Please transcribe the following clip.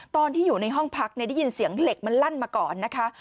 ตอนที่อยู่ในห้องพักได้ยินเสียงเหล็กมันลั่นมาก่อนนะคะ